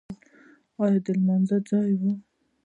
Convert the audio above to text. ایا د لمانځه ځای و؟